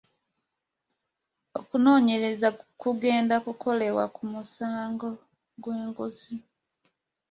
Okunoonyereza kugenda kukolebwa ku musango gw'enguzi.